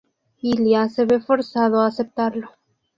Ilia se ve forzado a aceptarlo.